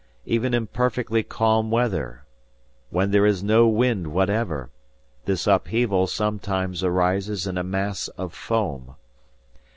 Even in perfectly calm weather, when there is no wind whatever, this upheaval sometimes arises in a mass of foam.